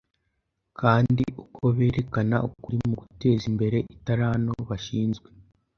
Kandi uko berekana ukuri mu guteza imbere itaranto bashinzwe